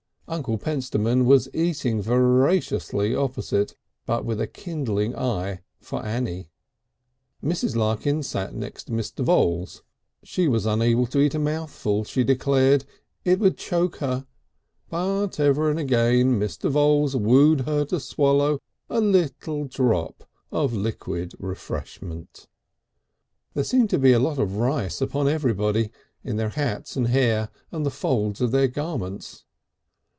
Uncle Pentstemon was eating voraciously opposite, but with a kindling eye for Annie. Mrs. Larkins sat next to Mr. Voules. She was unable to eat a mouthful, she declared, it would choke her, but ever and again Mr. Voules wooed her to swallow a little drop of liquid refreshment. There seemed a lot of rice upon everybody, in their hats and hair and the folds of their garments.